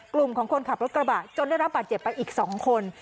กลุ่มของคนขับรถกระบะจนได้รับบาดเจ็บไปอีก๒คน